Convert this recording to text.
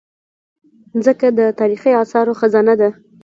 مځکه د تاریخي اثارو خزانه ده.